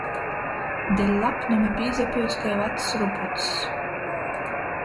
Deļ lapnuma pīsapyuts kai vacs rupucs.